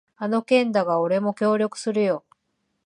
あの件だが、俺も協力するよ。